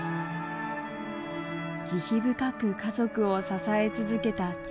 慈悲深く家族を支え続けた千代。